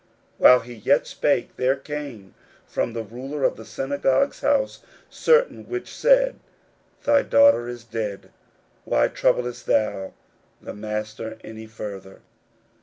41:005:035 While he yet spake, there came from the ruler of the synagogue's house certain which said, Thy daughter is dead: why troublest thou the Master any further?